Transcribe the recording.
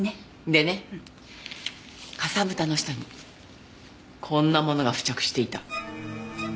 でねかさぶたの下にこんなものが付着していた。